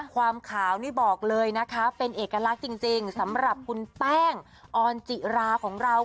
ความขาวนี่บอกเลยนะคะเป็นเอกลักษณ์จริงสำหรับคุณแป้งออนจิราของเรา